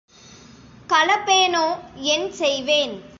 கலப்பேனோ என் செய்வேன்?